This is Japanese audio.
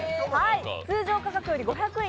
通常価格より５００円